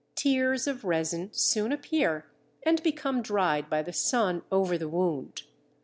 Tears of resin soon appear and become dried by the sun over the wound.